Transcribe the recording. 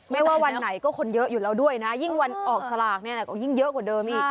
ไม่ว่าวันไหนก็คนเยอะอยู่แล้วด้วยนะยิ่งวันออกสลากเนี่ยก็ยิ่งเยอะกว่าเดิมอีก